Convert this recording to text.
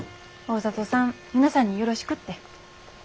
大里さん皆さんによろしくって。